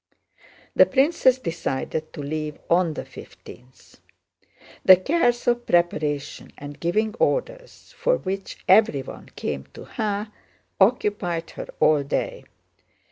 The princess decided to leave on the fifteenth. The cares of preparation and giving orders, for which everyone came to her, occupied her all day.